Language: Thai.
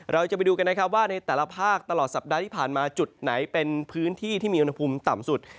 เราจะไปดูกันนะครับว่าในแต่ละภาคตลอดสัปดาห์ที่ผ่านมาจุดไหนเป็นพื้นที่ที่มีอุณหภูมิต่ำสุด